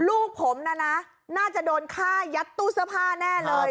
ลูกผมนะนะน่าจะโดนฆ่ายัดตู้เสื้อผ้าแน่เลย